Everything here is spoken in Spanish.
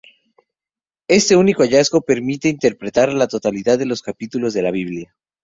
Este único hallazgo permite interpretar la totalidad de los capítulos de la Biblia.